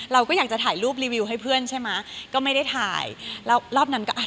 เราก็อยากจะถ่ายรูปรีวิวให้เพื่อนใช่ไหมก็ไม่ได้ถ่ายแล้วรอบนั้นก็อ่ะ